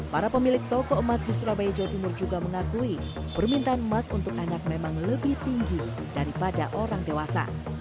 para pemilik toko emas di surabaya jawa timur juga mengakui permintaan emas untuk anak memang lebih tinggi daripada orang dewasa